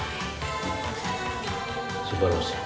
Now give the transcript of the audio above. すばらしい！